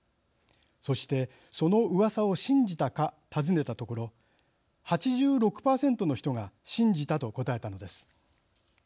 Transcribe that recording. そしてそのうわさを信じたか尋ねたところ８６％の人が信じたと答えたのです。